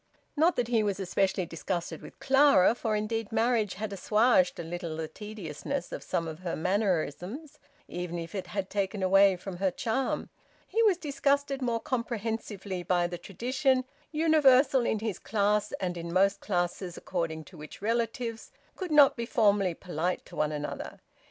Not that he was specially disgusted with Clara, for indeed marriage had assuaged a little the tediousness of some of her mannerisms, even if it had taken away from her charm. He was disgusted more comprehensively by the tradition, universal in his class and in most classes, according to which relatives could not be formally polite to one another.